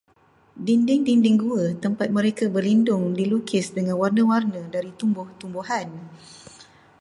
Dinding-dinding gua tempat mereka berlindung dilukis dengan warna-warna dari tumbuh-tumbuhan.